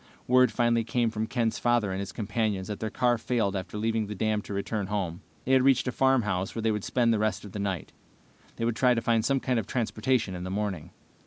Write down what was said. Word finally came from Ken's father and his companions that their car had failed after leaving the dam to return home. They had reached a farmhouse where they would spend the rest of the night. They would try to find some kind of transportation in the morning.